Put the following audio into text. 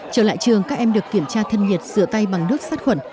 trở lại trường các em được kiểm tra thân nhiệt sửa tay bằng nước sát khuẩn